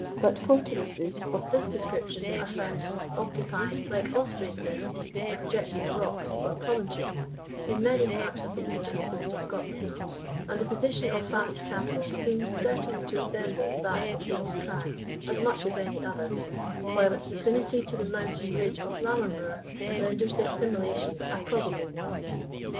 But fortalices of this description are found occupying, like ospreys' nests, projecting rocks, or promontories, in many parts of the eastern coast of Scotland, and the position of Fast Castle seems certainly to resemble that of Wolf's Crag as much as any other, while its vicinity to the mountain ridge of Lammermoor renders the assimilation a probable one.